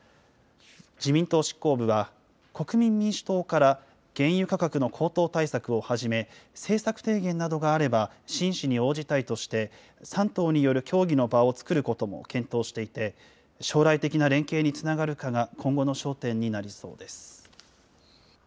自民党執行部は、国民民主党から、原油価格の高騰対策をはじめ、政策提言などがあれば真摯に応じたいとして、３党による協議の場を作ることも検討していて、将来的な連携につながるかが今後の焦点になりそうです。